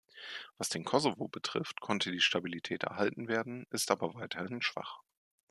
Was den Kosovo betrifft, konnte die Stabilität erhalten werden, ist aber weiterhin schwach.